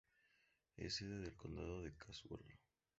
Es sede del condado de Caswell.